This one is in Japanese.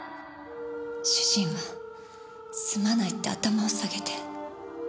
主人は「すまない」って頭を下げて。